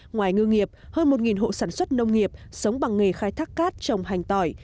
ngoài ngư nghiệp hơn một hộ sản xuất nông nghiệp sống bằng nghề khai thác cát trồng hành tỏi